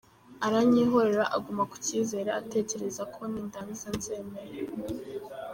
Aranyihorera aguma ku cyizere atekereza ko nindangiza nzemera.